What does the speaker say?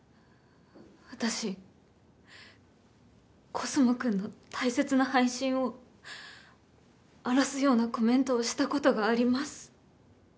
コスモくんの大切な配信を荒らすようなコメントをしたことがあります